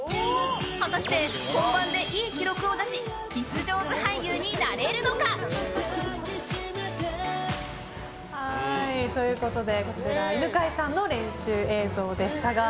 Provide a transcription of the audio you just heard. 果たして、本番でいい記録を出しキス上手俳優になれるのか？ということで犬飼さんの練習映像でしたが。